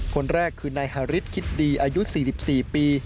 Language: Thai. คนแรกคือนายฮาริสคิดดีอายุ๔๔ปี